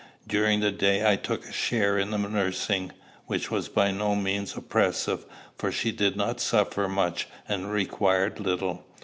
During the day I took a share in the nursing, which was by no means oppressive, for she did not suffer much, and required little.